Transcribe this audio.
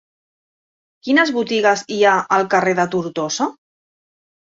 Quines botigues hi ha al carrer de Tortosa?